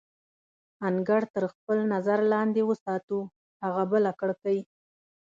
انګړ تر خپل نظر لاندې وساتو، هغه بله کړکۍ.